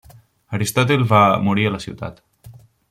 Aristòtil va morir a la ciutat.